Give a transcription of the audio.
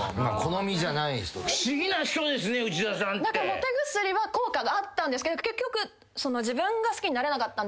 モテ薬は効果があったんですけど結局自分が好きになれなかった。